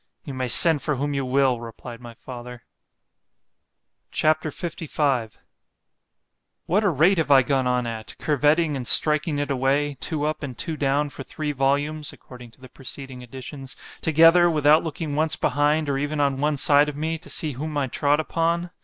——You may send for whom you will, replied my father. C H A P. LV WHAT a rate have I gone on at, curvetting and striking it away, two up and two down for three volumes together, without looking once behind, or even on one side of me, to see whom I trod upon!